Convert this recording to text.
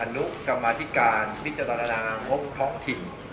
นุกรรมธิการพิจารณางบท้องถิ่น